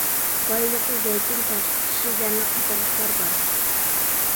بايلىقى زەيتۇن تاش، چىشى زەرنىخ قاتارلىقلار بار.